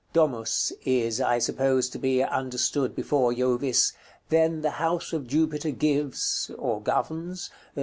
Domus is, I suppose, to be understood before Jovis: "Then the house of Jupiter gives (or governs?)